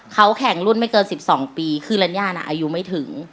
เขาแข่งรุ่นไม่เกิน๑๒ปีคือรัญญาน่ะอายุไม่ถึง